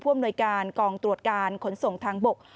อำนวยการกองตรวจการขนส่งทางบก